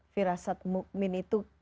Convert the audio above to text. firasat mu'min itu